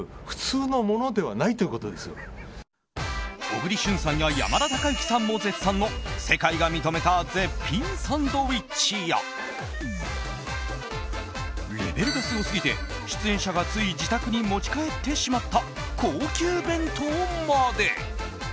小栗旬さんや山田孝之さんも絶賛の世界が認めた絶品サンドイッチやレベルがすごすぎて、出演者がつい自宅に持ち帰ってしまった高級弁当まで。